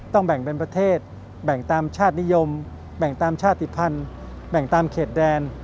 แบ่งเป็นประเทศแบ่งตามชาตินิยมแบ่งตามชาติภัณฑ์แบ่งตามเขตแดน